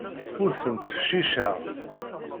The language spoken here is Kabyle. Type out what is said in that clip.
Ur ten-ttfecciceɣ.